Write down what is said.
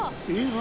「何？